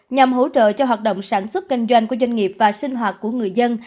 nhằm hỗ trợ cho hoạt động sản xuất kinh doanh của doanh nghiệp và sinh hoạt của người dân